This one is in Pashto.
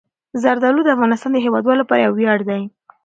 زردالو د افغانستان د هیوادوالو لپاره یو ویاړ دی.